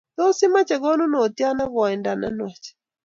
tos imache konunotyot nekoi nda nenwach?